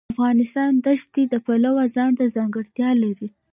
افغانستان د ښتې د پلوه ځانته ځانګړتیا لري.